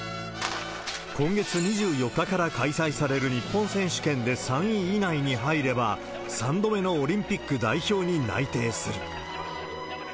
今月２４日から開催される日本選手権で３位以内に入れば、３度目のオリンピック代表に内定する。